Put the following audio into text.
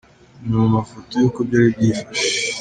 mwe mu mafoto y’uko byari byifashe :.